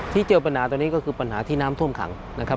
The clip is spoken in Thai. เจอปัญหาตอนนี้ก็คือปัญหาที่น้ำท่วมขังนะครับ